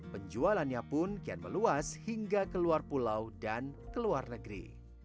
penjualannya pun kian meluas hingga ke luar pulau dan ke luar negeri